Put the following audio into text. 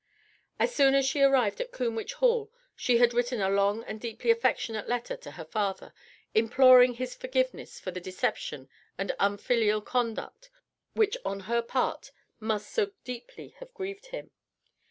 As soon as she arrived at Combwich Hall she had written a long and deeply affectionate letter to her father, imploring his forgiveness for the deception and unfilial conduct which on her part must so deeply have grieved him.